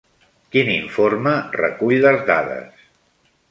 Quin informe recull les dades?